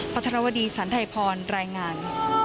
พระธรวดีสันไทยพรรายงาน